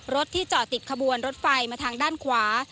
รถที่จอดติดขบวนรถไฟมาทางด้านขวา